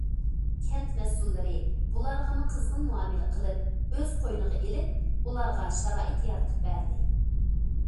كەنت مەسئۇللىرى بۇلارغىمۇ قىزغىن مۇئامىلە قىلىپ ئۆز قوينىغا ئېلىپ، ئۇلارغا شارائىت يارىتىپ بەردى.